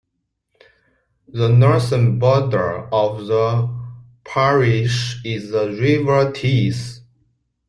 The northern border of the parish is the River Tees.